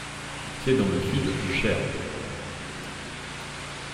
C’est dans le sud du Cher.